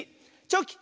「チョキ」。